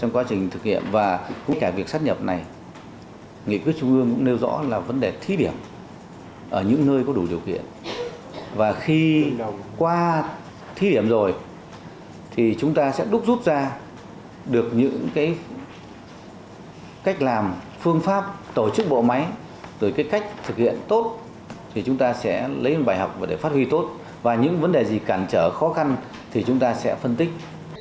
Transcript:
qua thí điểm rồi thì chúng ta sẽ đúc rút ra được những cái cách làm phương pháp tổ chức bộ máy rồi cái cách thực hiện tốt thì chúng ta sẽ lấy bài học để phát huy tốt và những vấn đề gì cản trở khó khăn thì chúng ta sẽ phân tích